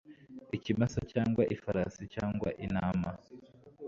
ikimasa cyangwa ifarashi cyangwa intama